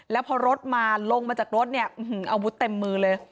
แล้วพอรถมาลงมาจากรถเนี่ยอาวุธเต็มมือเลย